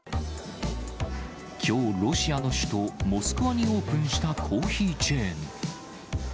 きょう、ロシアの首都モスクワにオープンしたコーヒーチェーン。